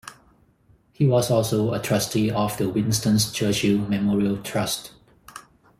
He was also a trustee of the Winston Churchill Memorial Trust.